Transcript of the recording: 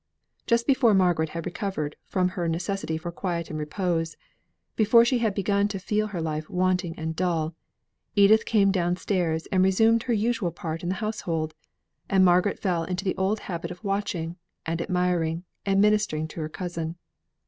Just before Margaret had recovered from her necessity for quiet and repose before she had begun to feel her life wanting and dull Edith came downstairs and resumed her usual part in the household; and Margaret fell into the old habit of watching, and admiring, and ministering to her cousin.